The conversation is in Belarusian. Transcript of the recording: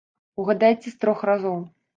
Угадайце з трох разоў.